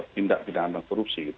tindak pindahan dan korupsi